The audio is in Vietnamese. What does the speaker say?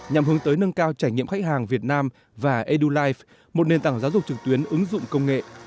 nhằm hướng tới nâng cao trải nghiệm khách hàng việt nam và edulife một nền tảng giáo dục trực tuyến ứng dụng công nghệ